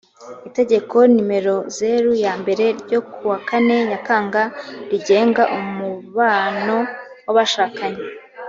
itegeko n o ya mbere ryo kuwa kane nyakanga rigenga umubano w’abashakanye